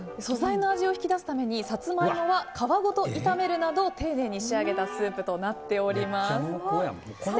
素材の味を引き出すためにサツマイモは皮ごと炒めるなど丁寧に仕上げたスープとなっております。